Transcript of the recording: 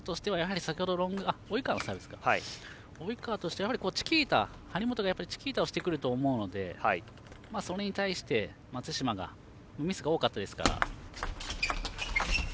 及川としては張本がチキータをしてくると思うのでそれに対して松島がミスが多かったですから。